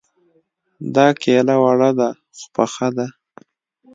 دا کيله وړه ده خو پخه ده